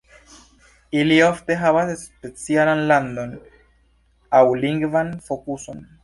Ili ofte havas specialan landon, aŭ lingvan fokuson.